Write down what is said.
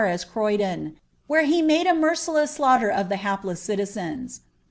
75 Croydon, where he made a merciless slaughter of the hapless citizens.